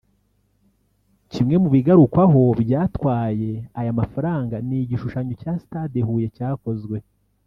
Kimwe mu bigarukwaho byatwaye aya mafaranga ni igishushanyo cya stade Huye cyakozwe